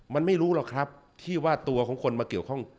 มันไม่รู้หรอกครับที่ว่าตัวของคนมาเกี่ยวข้อง